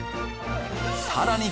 さらに